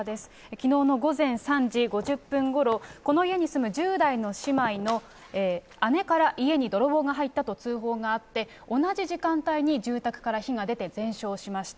きのうの午前３時５０分ごろ、この家に住む１０代の姉妹の姉から家に泥棒が入ったと通報があって、同じ時間帯に住宅から火が出て全焼しました。